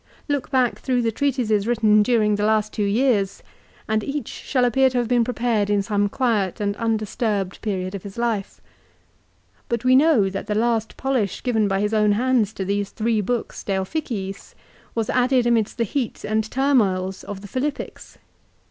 Look back through the treatises written during the last two years, and each shall appear to CICERO'S MORAL ESSAYS. 385 have been prepared in some quiet and undisturbed period of his life. But we know that the last polish given by his own hands to these three books " De Officiis " was added amidst the heat and turmoils of the Philippics.